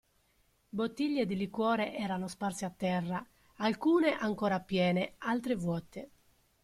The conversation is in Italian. Bottiglie di liquore erano sparse a terra, alcune ancora piene, altre vuote.